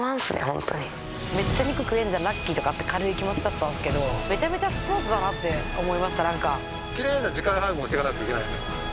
ホントにめっちゃ肉食えんじゃんラッキーとかって軽い気持ちだったんすけどめちゃめちゃスポーツだなって思いましたなんかきれいな時間配分をしていかないといけないよね